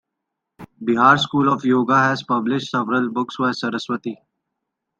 Bihar School of Yoga has published several books by Saraswati.